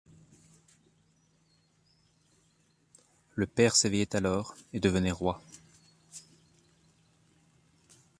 Le Père s'éveillait alors et devenait roi.